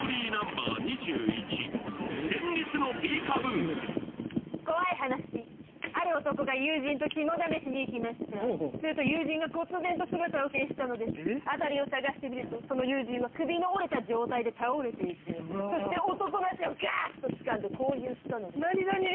これは父です「怖い話」ある男が友人と肝試しに行きましたすると友人がこつ然と姿を消したのです辺りを捜してみるとその友人は首の折れた状態で倒れていてそして男の足をガッとつかんでこう言ったのです何なに？